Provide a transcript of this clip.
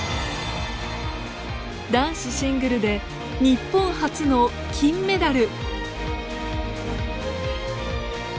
男子シングルで日本初の金メダル。